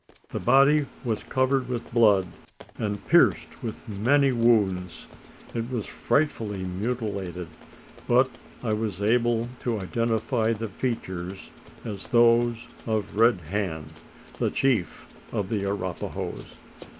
The body was covered with blood, and pierced with many wounds. It was frightfully mutilated; but I was able to identify the features as those of Red Hand, the chief of the Arapahoes!